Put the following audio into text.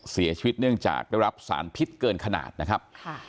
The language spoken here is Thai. เสียชีวิตเนื่องจากได้รับสารพิษเกินขนาดนะครับ